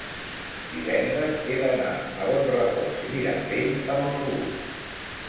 Divendres he d'anar a Bonrepòs i Mirambell amb autobús.